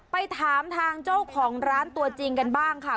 ไปถามทางเจ้าของร้านตัวจริงกันบ้างค่ะ